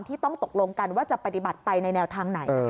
ต้องตกลงกันว่าจะปฏิบัติไปในแนวทางไหน